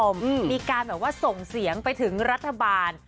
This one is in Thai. มีการแบบว่าส่งเสียงไปถึงรัฐบาล